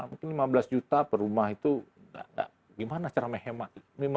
mungkin lima belas juta per rumah itu gimana cara menghemat